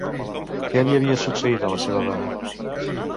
Què li havia succeït a la seva dona?